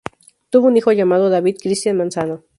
Tuvo un hijo llamado David Cristian Manzano.